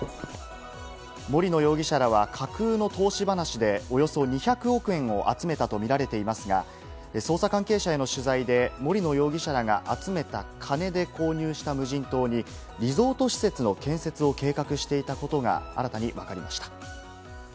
森野容疑者らは架空の投資話で、およそ２００億円を集めたとみられていますが、捜査関係者への取材で、森野容疑者らが集めた金で購入した無人島にリゾート施設の建設を計画していたことが新たに分かりました。